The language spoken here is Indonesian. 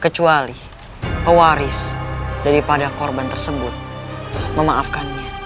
kecuali pewaris daripada korban tersebut memaafkannya